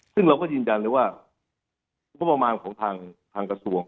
ซึ่งเราก็จริงจันเลยว่าประมาณของทางทางกระทรวง